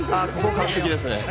完璧ですね。